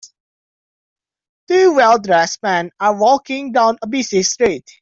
Two well dressed men are walking down a busy street.